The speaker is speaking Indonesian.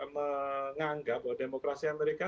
menganggap bahwa demokrasi amerika